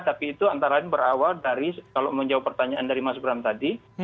tapi itu antara lain berawal dari kalau menjawab pertanyaan dari mas bram tadi